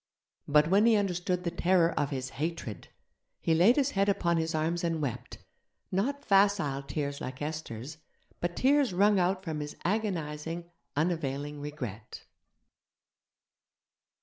But when he understood the terror of his Hatred, he laid his head upon his arms and wept, not facile tears like Esther's, but tears wrung out from his agonizing, unavailing regret.